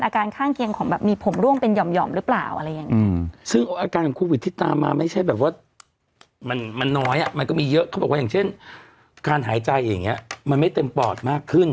อาการข้างเกียงของแบบมีผมร่วงเป็นหย่อม๐